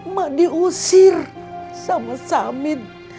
ma diusir sama samin